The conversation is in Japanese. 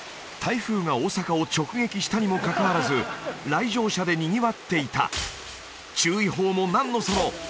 台風が大阪を直撃したにもかかわらず来場者でにぎわっていた「注意報もなんのその」